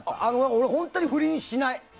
俺、本当に不倫しない。